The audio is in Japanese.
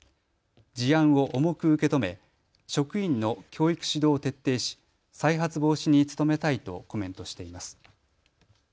事案を重く受け止め、職員の教育指導を徹底し再発防止に努めたいとコメントしています。